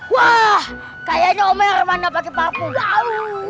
wah kayaknya om hermana pakai parfum